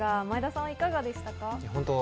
前田さん、いかがでしたか？